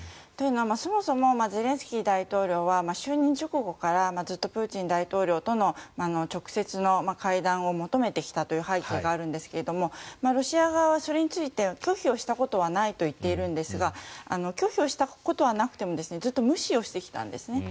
というのは、そもそもゼレンスキー大統領は就任直後からずっとプーチン大統領との直接の会談を求めてきたという背景があるんですがロシア側はそれについて拒否をしたことはないと言っているんですが拒否をしたことはなくてもずっと無視をしてきたんです。